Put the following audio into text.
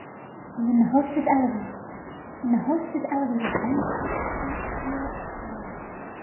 And when the host is elevated when the host is elevated, then you can't hear a fly.